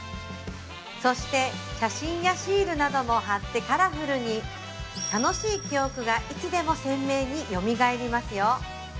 そして写真やシールなども貼ってカラフルに楽しい記憶がいつでも鮮明によみがえりますよ